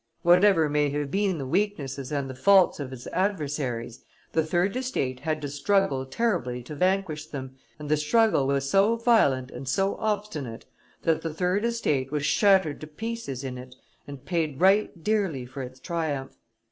Whatever may have been the weaknesses and the faults of its adversaries, the third estate had to struggle terribly to vanquish them, and the struggle was so violent and so obstinate that the third estate was shattered to pieces in it and paid right dearly for its triumph.